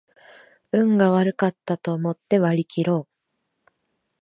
運が悪かったと思って割りきろう